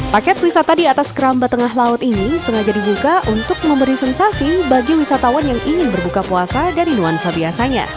paket wisata di atas keramba tengah laut ini sengaja dibuka untuk memberi sensasi bagi wisatawan yang ingin berbuka puasa dari nuansa biasanya